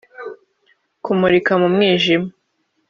kumurika mu mwijima.